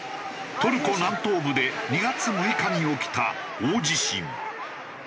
トルコ南東部で２月６日に起きた大地震。